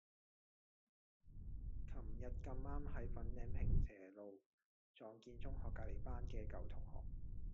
噚日咁啱喺粉嶺坪輋路撞見中學隔離班嘅舊同學